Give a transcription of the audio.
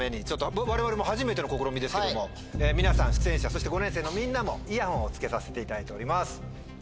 我々も初めての試みですけども皆さん出演者そして５年生のみんなもイヤホンをつけさせていただいております。